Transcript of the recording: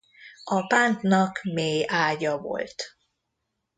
A pántnak mély ágya volt.